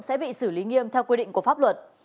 sẽ bị xử lý nghiêm theo quy định của pháp luật